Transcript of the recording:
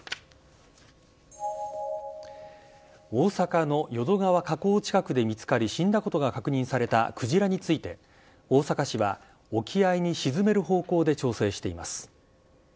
大阪の淀川河口近くで見つかり、死んだことが確認されたクジラについて、大阪市は沖合に沈める方向で調整しています。